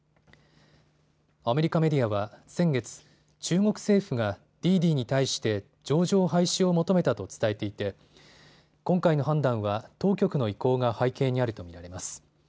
アメリカメディアは先月、中国政府が滴滴に対して上場廃止を求めたと伝えていて今回の判断は当局の意向が背景にあると見られます。